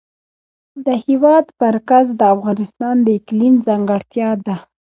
د هېواد مرکز د افغانستان د اقلیم ځانګړتیا ده.